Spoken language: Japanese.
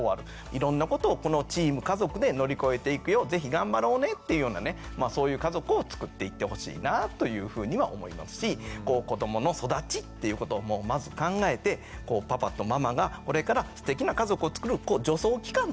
いろんなことをこのチーム家族で乗り越えていくよ是非頑張ろうねっていうようなねそういう家族をつくっていってほしいなというふうには思いますし子どもの育ちっていうことをまず考えてパパとママがこれからすてきな家族をつくる助走期間としてね